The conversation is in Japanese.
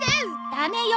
ダメよ。